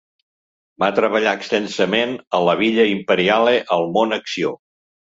Va treballar extensament a la Villa Imperiale al mont Accio.